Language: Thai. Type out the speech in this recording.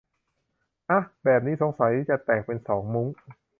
อ๊ะ แบบนี้สงสัยจะแตกเป็นสองมุ้ง